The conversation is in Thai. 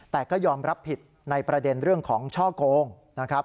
แต่ก็ยอมรับผิดในประเด็นเรื่องของช่อโกงนะครับ